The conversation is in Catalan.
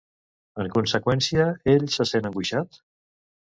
En conseqüència, ell se sent angoixat?